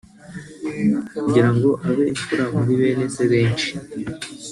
kugira ngo abe imfura muri bene se benshi